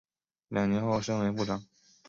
两年后升为部长。